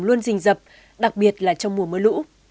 luôn rình dập đặc biệt là trong mùa mưa lũ